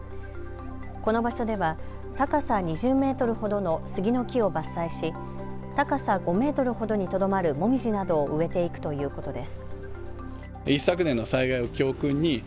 この場所では高さ２０メートルほどの杉の木を伐採し高さ５メートルほどにとどまるもみじなどを植えていくということです。